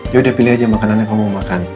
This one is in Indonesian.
yaudah pilih aja makanannya kamu mau makan